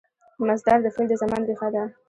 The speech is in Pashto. مصدر د فعل د زمان ریښه ده.